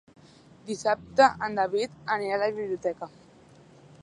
Dissabte en David anirà a la biblioteca.